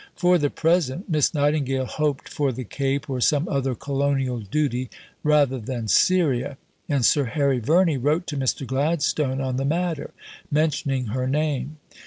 For the present, Miss Nightingale hoped for the Cape or some other Colonial duty rather than Syria; and Sir Harry Verney wrote to Mr. Gladstone on the matter, mentioning her name.